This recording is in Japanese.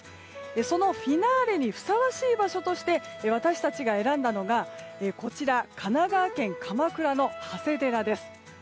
そのフィナーレにふさわしい場所として私たちが選んだのが神奈川県鎌倉の長谷寺です。